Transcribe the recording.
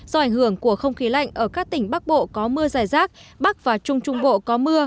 do ảnh hưởng của không khí lạnh ở các tỉnh bắc bộ có mưa dài rác bắc và trung trung bộ có mưa